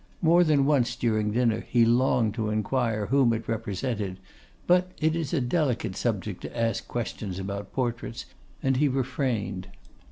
More than once during dinner he longed to inquire whom it represented; but it is a delicate subject to ask questions about portraits, and he refrained.